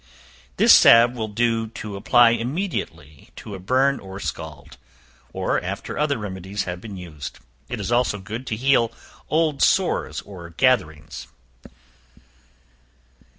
This salve will do to apply immediately to a burn or scald, or after other remedies have been used; it is also good to heal old sores or gatherings.